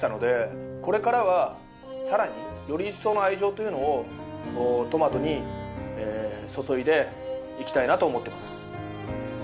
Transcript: これからはさらにより一層の愛情というのをトマトに注いでいきたいなと思ってます。